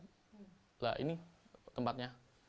nah ini tempatnya